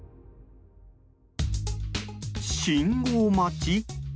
信号待ち？